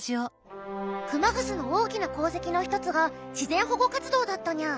熊楠の大きな功績の一つが自然保護活動だったにゃ。